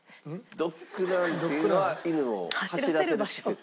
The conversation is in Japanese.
ドッグランっていうのは犬を走らせる施設。